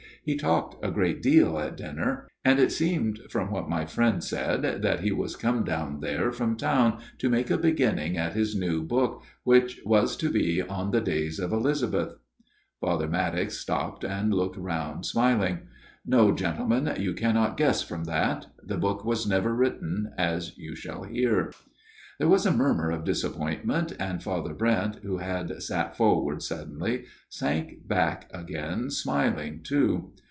He talked a great deal at dinner ; and it seemed, from what my friend said, that he was come down there from town to make a beginning at his new book, which was to be on the days of Elizabeth." 220 A MIRROR OF SHALOTT Father Maddox stopped, and looked round smiling. " No, gentlemen, you cannot guess from that. The book was never written, as you shall hear." There was a murmur of disappointment, and Father Brent, who had sat forward suddenly, sank back again, smiling too.